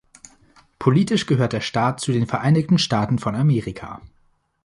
Politisch gehört der Staat zu den Vereinigten Staaten von Amerika.